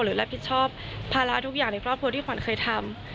รับผิดชอบภาระทุกอย่างในครอบครัวที่ขวัญเคยทำ